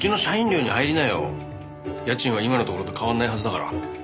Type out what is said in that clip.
家賃は今のところと変わらないはずだから。